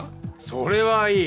それはいい。